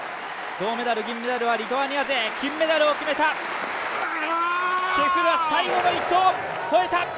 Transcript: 銅メダル、銀メダルはリトアニア勢金メダルを決めたチェフが最後の一投越えた！